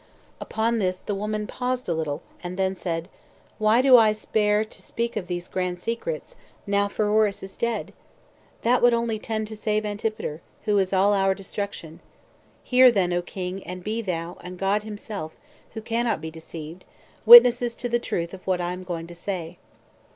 6. Upon this the woman paused a little, and then said, "Why do I spare to speak of these grand secrets, now Pheroras is dead? that would only tend to save Antipater, who is all our destruction. Hear then, O king, and be thou, and God himself, who cannot be deceived, witnesses to the truth of what I am going to say.